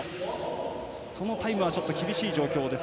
そのタイムは厳しい状況です。